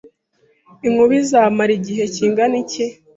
Inkuba izamara igihe kingana iki?